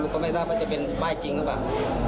ก็ไม่ทราบว่าจะเป็นป้ายจริงหรือเปล่า